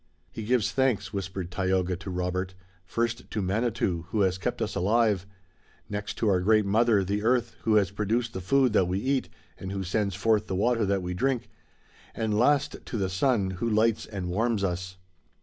"He gives thanks," whispered Tayoga, to Robert, "first to Manitou, who has kept us alive, next to our great mother, the Earth, who has produced the food that we eat and who sends forth the water that we drink, and last to the Sun, who lights and warms us."